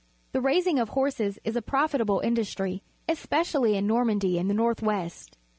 The raising of horses is a profitable industry, especially in Normandy in the north west.